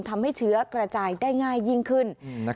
ทำให้เชื้อกระจายได้ง่ายยิ่งขึ้น